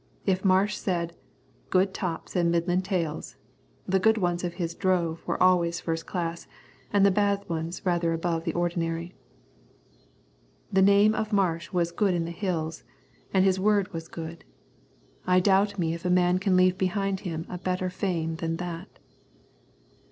If Marsh said "Good tops and middlin' tails," the good ones of his drove were always first class and the bad ones rather above the ordinary. The name of Marsh was good in the Hills, and his word was good. I doubt me if a man can leave behind him a better fame than that.